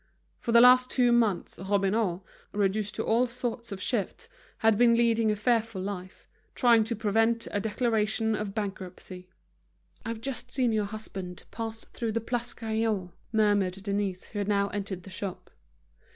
For the last two months Robineau, reduced to all sorts of shifts, had been leading a fearful life, trying to prevent a declaration of bankruptcy. "I've just seen your husband pass through the Place Gaillon," murmured Denise, who had now entered the shop.